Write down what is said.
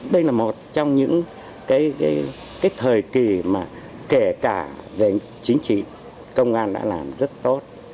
đây là một trong những thời kỳ mà kể cả về chính trị công an đã làm rất tốt